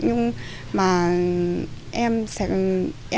nhưng mà em sẽ